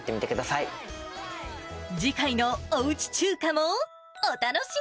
次回のおうち中華もお楽しみ